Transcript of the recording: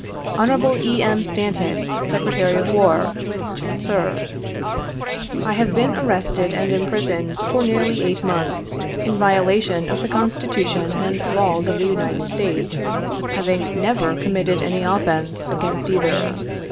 "Hon. E. M. STANTON, Secretary of War, "Sir: " I have been arrested and imprisoned for nearly eight months, in violation of the Constitution and Laws of the United States, having never committed any offence against either.